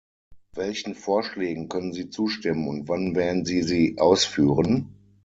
Welchen Vorschlägen können Sie zustimmen, und wann werden Sie sie ausführen?